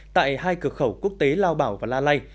tại hai cửa khẩu quốc tế lao bảo và la lây